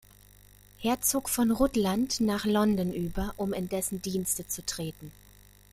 Herzog von Rutland nach London über, um in dessen Dienste zu treten.